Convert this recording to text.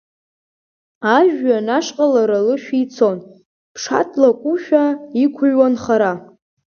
Ажәҩан ашҟа лара лышәи цон, ԥшатлакәушәа иқәҩуан хара.